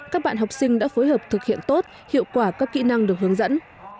các bạn học sinh đã phối hợp thực hiện tốt hiệu quả các kỹ năng được hướng dẫn